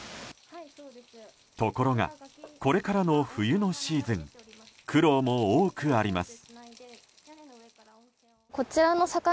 ところがこれからの冬のシーズン苦労も多くあります。